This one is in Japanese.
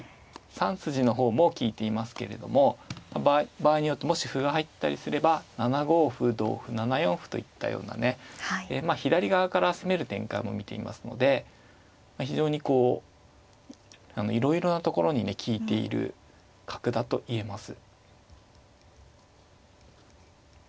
３筋の方も利いていますけれども場合によってもし歩が入ったりすれば７五歩同歩７四歩といったようなねまあ左側から攻める展開も見ていますので非常にこういろいろなところにね利いている角だと言えます。